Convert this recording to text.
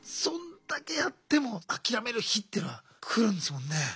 そんだけやっても諦める日っていうのは来るんですもんね。